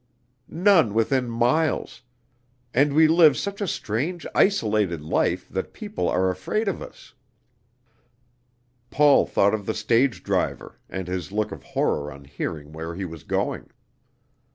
"None within miles; and we live such a strange isolated life that people are afraid of us." Paul thought of the stage driver, and his look of horror on hearing where he was going.